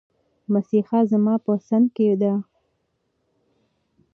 مسیحا زما په څنګ کې دی.